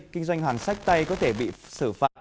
kinh doanh hàng sách tay có thể bị xử phạt